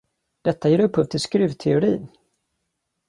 Detta ger upphov till skruvteori.